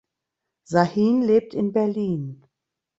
Sahin lebt in Berlin.